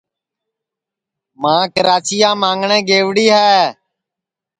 ماں کِراچِیا مانگٹؔیں گئوری ہے